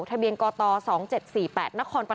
ทะเบียนกต๒๗๔๘นพค